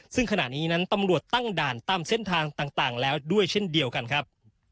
ซึ่งขณะนี้นั้นตำรวจตั้งด่านตามเส้นทางต่างแล้วด้วยเช่นเดียวกันครับ